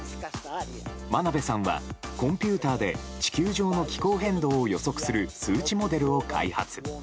真鍋さんはコンピューターで地球上の気候変動を予測する数値モデルを開発。